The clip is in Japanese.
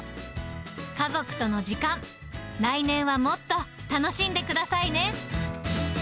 家族との時間、来年はもっと楽しんでくださいね。